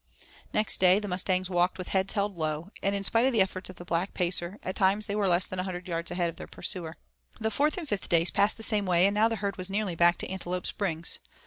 Next day the mustangs walked with heads held low, and in spite of the efforts of the Black Pacer at times they were less than a hundred yards ahead of their pursuer. The fourth and fifth days passed the same way, and now the herd was nearly back to Antelope Springs.